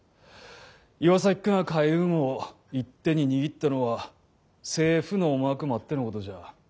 岩崎君が海運を一手に握ったのは政府の思惑もあってのことじゃ。